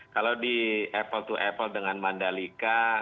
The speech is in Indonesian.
kalau di apple to apple dengan mandalika